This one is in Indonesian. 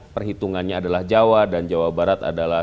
perhitungannya adalah jawa dan jawa barat adalah